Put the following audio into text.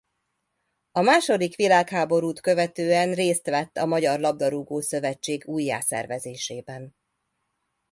A második világháborút követően részt vett a Magyar Labdarúgó-szövetség újjászervezésében.